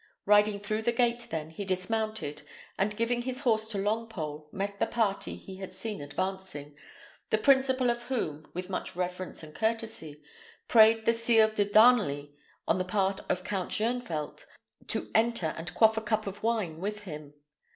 Riding through the gate, then, he dismounted, and giving his horse to Longpole, met the party he had seen advancing, the principal of whom, with much reverence and courtesy, prayed the Sire de Darnley, on the part of Count Shoenvelt, to enter and quaff a cup of wine with him.